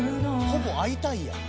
ほぼ「会いたい」やん。